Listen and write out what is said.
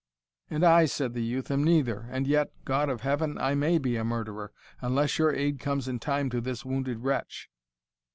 "And I," said the youth, "am neither and yet God of Heaven! I may be a murderer, unless your aid comes in time to this wounded wretch!"